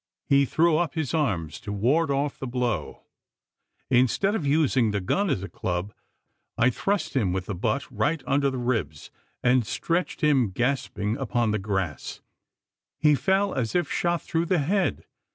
He threw up his arms to ward off the blow. Instead of using the gun as a club, I thrust him with the butt right under the ribs; and stretched him gasping upon the grass. He fell, as if shot through the head!